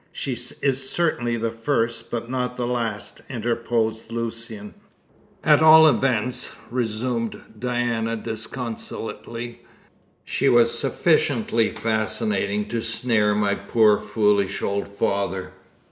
"She is certainly the first, but not the last," interposed Lucian. "At all events," resumed Diana disconsolately, "she was sufficiently fascinating to snare my poor foolish old father.